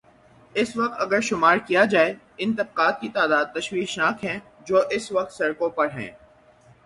اس وقت اگر شمارکیا جائے، ان طبقات کی تعداد تشویش ناک ہے جو اس وقت سڑکوں پر ہیں۔